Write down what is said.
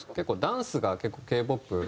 ダンスが結構Ｋ−ＰＯＰ